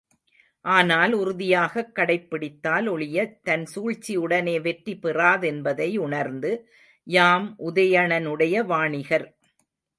ஆனால் உறுதியாகக் கடைப்பிடித்தால் ஒழியத் தன் சூழ்ச்சி உடனே வெற்றி பெறாதென்பதை உணர்ந்து, யாம் உதயணனுடைய வாணிகர்.